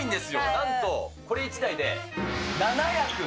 なんとこれ１台で７役